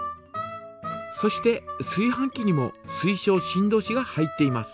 そしてすい飯器にも水晶振動子が入っています。